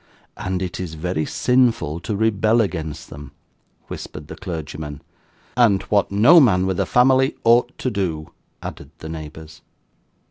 'And it is very sinful to rebel against them,' whispered the clergyman. 'And what no man with a family ought to do,' added the neighbours.